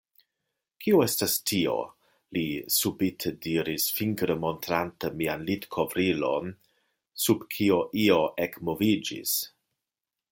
Kio estas tio? li subite diris, fingre montrante mian litkovrilon sub kio io ekmoviĝis.